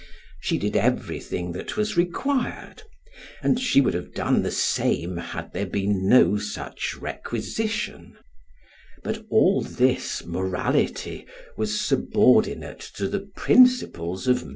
She did everything that was required; and she would have done the same had there been no such requisition: but all this morality was subordinate to the principles of M.